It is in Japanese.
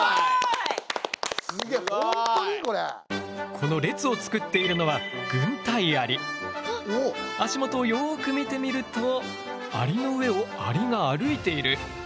この列をつくっているのは足元をよく見てみるとアリの上をアリが歩いている。